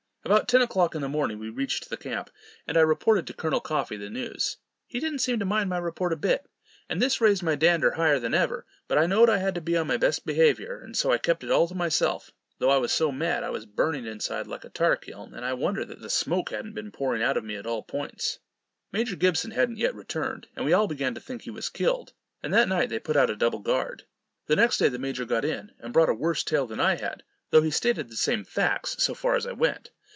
About ten o'clock in the morning we reached the camp, and I reported to Col. Coffee the news. He didn't seem to mind my report a bit, and this raised my dander higher than ever; but I knowed I had to be on my best behaviour, and so I kept it all to myself; though I was so mad that I was burning inside like a tar kiln, and I wonder that the smoke hadn't been pouring out of me at all points. Major Gibson hadn't yet returned, and we all began to think he was killed; and that night they put out a double guard. The next day the major got in, and brought a worse tale than I had, though he stated the same facts, so far as I went.